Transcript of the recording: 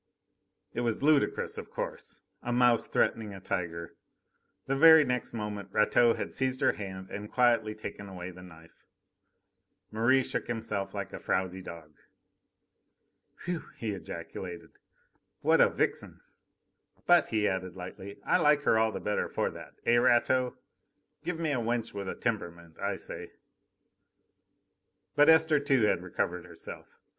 It was ludicrous, of course. A mouse threatening a tiger. The very next moment Rateau had seized her hand and quietly taken away the knife. Merri shook himself like a frowsy dog. "Whew!" he ejaculated. "What a vixen! But," he added lightly, "I like her all the better for that eh, Rateau? Give me a wench with a temperament, I say!" But Esther, too, had recovered herself.